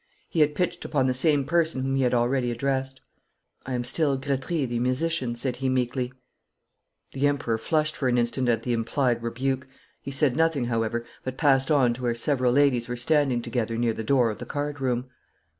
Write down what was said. He had pitched upon the same person whom he had already addressed. 'I am still Gretry, the musician,' said he meekly. The Emperor flushed for an instant at the implied rebuke. He said nothing, however, but passed on to where several ladies were standing together near the door of the card room.